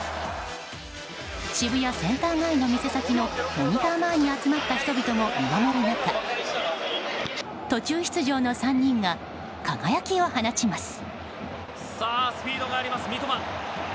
渋谷センター街の店先のモニター前に集まった人々も見守る中途中出場の３人が輝きを放ちます。